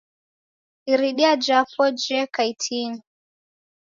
Iridia japo jeka itini